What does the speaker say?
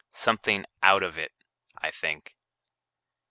Something out of it, I think.